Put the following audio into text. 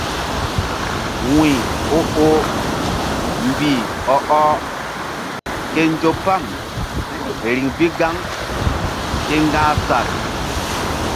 Wuy o oh mbih ɔ ɔh ke nzo pam riŋ bi gaŋ ke ŋga̧h sal.